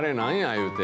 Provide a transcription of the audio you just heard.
言うて。